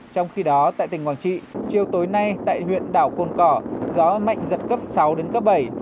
trong khi đó tại tỉnh quảng trị chiều tối nay tại huyện đảo cồn cỏ gió mạnh giật cấp sáu đến cấp bảy